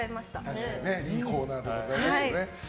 確かにいいコーナーでございましたね。